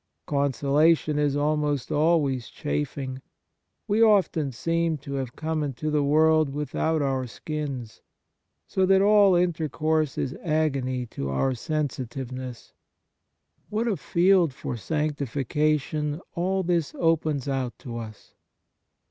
Consola tion is almost always chafing. We often seem to have come into the world without our skins, so that all intercourse is agony to our sensitiveness. What a field for sanctification all this opens out to us